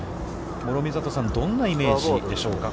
諸見里さん、どんなイメージでしょうか。